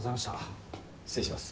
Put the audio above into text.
失礼します。